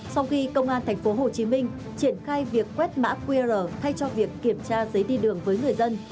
sau khi công an tp hcm triển khai việc quét mã qr thay cho việc kiểm tra giấy đi đường với người dân